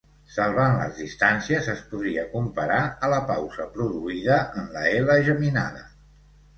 Salvant les distàncies, es podria comparar a la pausa produïda en la ela geminada.